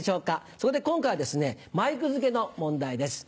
そこで今回はですね前句付けの問題です。